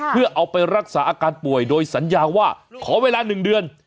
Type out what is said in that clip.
เพื่อเอาไปรักษาอาการป่วยโดยสัญญาว่าขอเวลา๑เดือน